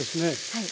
はい。